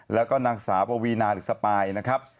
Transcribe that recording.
แล้วก็นางสาวปวีนาหรือสปายนะครับ